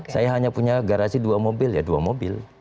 saya hanya punya garasi dua mobil ya dua mobil